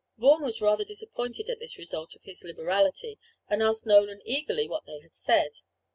Vaughan was rather disappointed at this result of his liberality, and asked Nolan eagerly what they said.